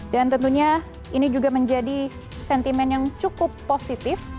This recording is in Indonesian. dan tentunya ini juga menjadi sentimen yang cukup positif